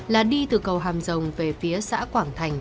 là đi từ cầu hàm rồng về phía xã quảng thành